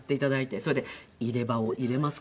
それで「入れ歯を入れますか？